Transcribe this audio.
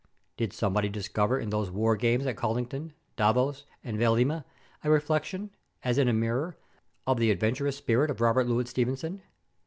Did somebody discover in those war games at Colinton, Davos, and Vailima a reflection, as in a mirror, of the adventurous spirit of Robert Louis Stevenson?